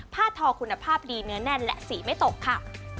ทอคุณภาพดีเนื้อแน่นและสีไม่ตกค่ะ